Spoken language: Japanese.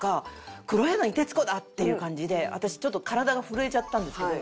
黒柳徹子だ！っていう感じで私ちょっと体が震えちゃったんですけど。